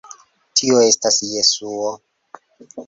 Tio estas Jesuo.